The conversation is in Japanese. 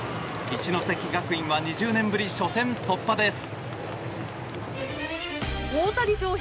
一関学院は２０年ぶり初戦突破です。